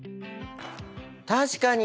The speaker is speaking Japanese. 確かに。